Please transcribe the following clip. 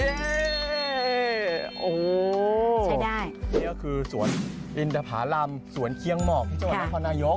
นี่คือสวนอินทธาพารำสวนเคียงหมอกที่จังหวัดมัธวนายก